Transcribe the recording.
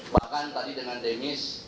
bahkan tadi dengan demis